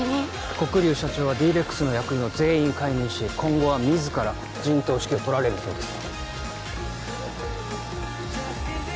黒龍社長はＤ−ＲＥＸの役員を全員解任し今後は自ら陣頭指揮を執られるそうです